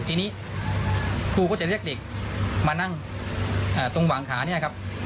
ทีนี้ครูก็จะเรียกเด็กมานั่งตรงหวังขาเนี่ยครับ